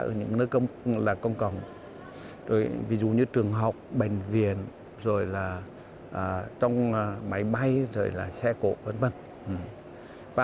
ở những nơi công cộng ví dụ như trường học bệnh viện máy bay xe cộ v v